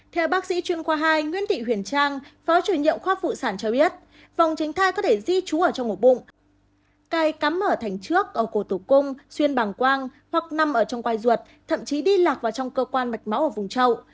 theo bác sĩ chuyên khoa hai nguyễn tị huyền trang phó chủ nhiệm khoa phụ sản cho biết vòng tránh thai có thể di trú ở trong ngủ bụng cài cắm ở thành trước ở cổ tử cung xuyên bảng quang hoặc nằm trong quai ruột thậm chí đi lạc vào trong cơ quan mạch máu ở vùng châu